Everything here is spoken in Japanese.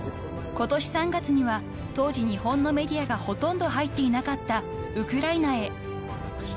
［今年３月には当時日本のメディアがほとんど入っていなかったウクライナへ］